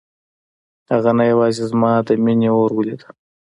هغه نه یوازې زما د مينې اور ولید.